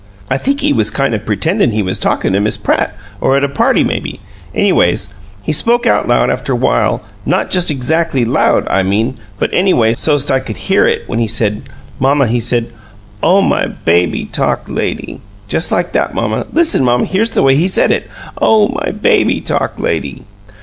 I think he was kind of pretendin' he was talkin' to Miss Pratt, or at a party, maybe. Anyways, he spoke out loud after while not just exactly LOUD, I mean, but anyway so's 't I could hear what he said. Mamma he said, 'Oh, my baby talk lady!' just like that, mamma. Listen, mamma, here's the way he said it: 'Oh, my baby talk lady!'"